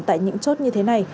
tại những chốt như thế này